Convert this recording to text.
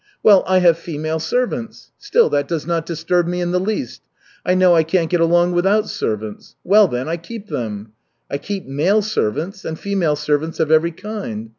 Well, I have female servants. Still that does not disturb me in the least. I know I can't get along without servants, well then, I keep them. I keep male servants, and female servants of every kind.